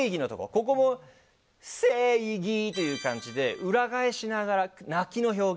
ここも「正義」っていう感じで裏返しながら泣きの表現